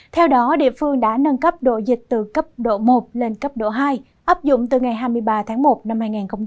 theo đó địa phương đã nâng cấp độ dịch từ cấp độ một lên cấp độ hai áp dụng từ ngày hai mươi ba tháng một năm hai nghìn hai mươi